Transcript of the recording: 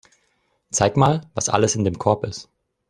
Zeig mal, was alles in dem Korb ist.